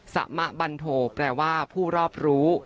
สมบันโทแปลว่าผู้รอบรู้